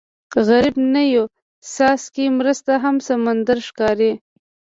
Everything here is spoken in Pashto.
غریب ته یو څاڅکی مرسته هم سمندر ښکاري